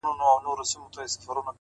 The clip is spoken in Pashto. • په ګاونډ کي توتکۍ ورته ویله ,